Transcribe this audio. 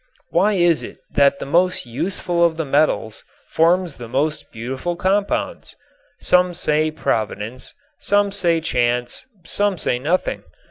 Why is it that the most useful of the metals forms the most beautiful compounds? Some say, Providence; some say, chance; some say nothing.